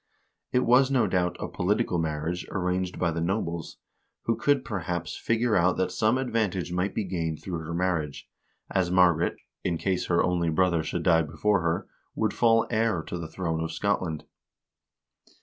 It was, no doubt, a political marriage, arranged by the nobles, who could, perhaps, figure out that some advantage might be gained through this marriage, as Margaret, in case her only brother should die before her, would fall heir to the throne of Scotland.